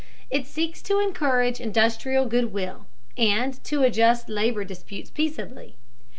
It seeks to encourage industrial good will, and to adjust labor disputes peaceably.